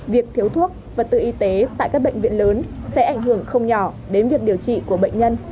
việc thiếu thuốc vật tư y tế tại các bệnh viện lớn sẽ ảnh hưởng không nhỏ đến việc điều trị của bệnh nhân